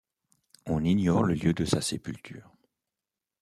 On ignore le lieu de sa sépulture.